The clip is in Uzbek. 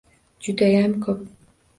Judayam ko‘p.